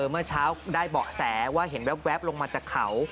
เมื่อเช้าได้เบาะแสว่าเห็นแว๊บลงมาจากเขา